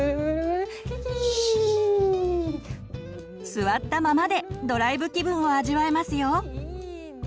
座ったままでドライブ気分を味わえますよ！